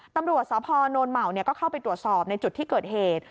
ตำรวจสพนเหมาก็เข้าไปตรวจสอบในจุดที่เกิดเหตุ